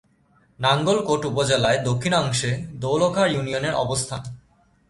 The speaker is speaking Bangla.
নাঙ্গলকোট উপজেলার দক্ষিণাংশে দৌলখাঁড় ইউনিয়নের অবস্থান।